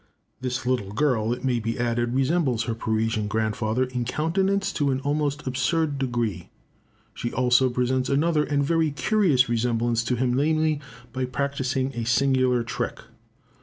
This little girl, it may be added, resembles her Parisian grandfather in countenance to an almost absurd degree. She also presents another and very curious resemblance to him, namely, by practising a singular trick.